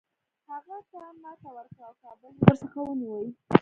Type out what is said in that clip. هغه ته ماته ورکړه او کابل یې ورڅخه ونیوی.